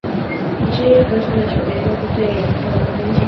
已知河床的水位高度对黑长脚鹬数目有明显影响。